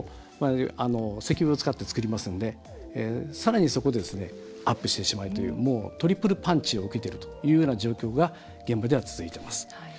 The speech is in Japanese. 石油を使って作りますのでさらに、そこでアップしてしまうというトリプルパンチを受けている状況が現場で起きています。